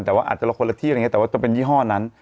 แต่ว่าอาจจะละคนละที่อะไรอย่างนี้แต่ว่าจะเป็นยี่ห้อนั้น